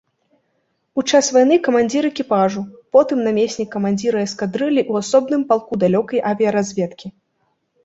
У час вайны камандзір экіпажу, потым намеснік камандзіра эскадрыллі ў асобным палку далёкай авіяразведкі.